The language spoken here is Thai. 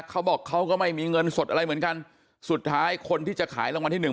เขาบอกเขาก็ไม่มีเงินสดอะไรเหมือนกันสุดท้ายคนที่จะขายรางวัลที่หนึ่ง